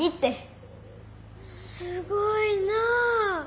すごいなあ。